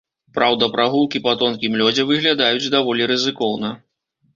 Праўда, прагулкі па тонкім лёдзе выглядаюць даволі рызыкоўна.